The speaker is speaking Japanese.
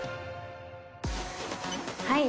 「はい。